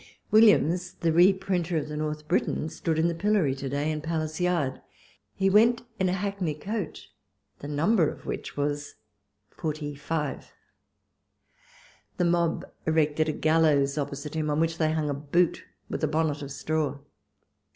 Williams, the reprinter of the North Briton, stood in the pillory to day in Palace Yard. He went in a hackney coach, the number of which was 45. The mob erected a gallows opposite him, on which they hung a boot with a bonnet of straw.